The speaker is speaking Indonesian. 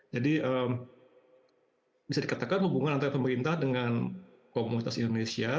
jadi bisa dikatakan hubungan antara pemerintah dengan komunitas indonesia